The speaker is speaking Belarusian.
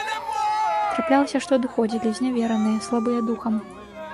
Траплялася, што адыходзілі, знявераныя, слабыя духам.